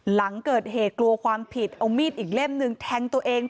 หลังเกิดเหตุกลัวความผิดเอามีดอีกเล่มหนึ่งแทงตัวเอง